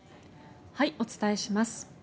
お伝えします。